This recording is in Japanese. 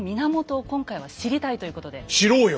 知ろうよ。